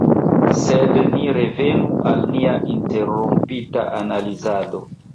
Sed ni revenu al nia interrompita analizado.